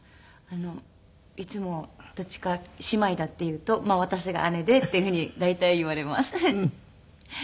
いつも姉妹だっていうと私が姉でっていうふうに大体言われます。